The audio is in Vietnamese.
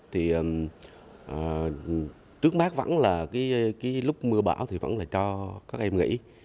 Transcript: thì trước mắt vẫn là cái lúc mưa bão thì vẫn là cho các em nghỉ